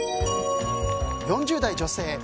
４０代女性。